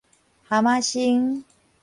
哈瑪星